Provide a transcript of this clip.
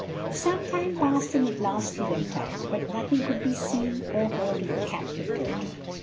Some time passed and at last he went out; but nothing could be seen or heard of the captive daughter.